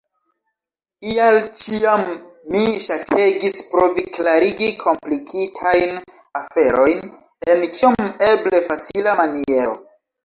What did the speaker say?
Ial ĉiam mi ŝategis provi klarigi komplikitajn aferojn en kiom eble facila maniero.